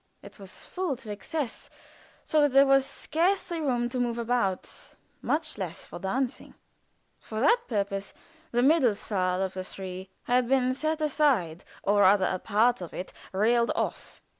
It was full to excess, so that there was scarcely room to move about, much less for dancing. For that purpose the middle saal of the three had been set aside, or rather a part of it railed off.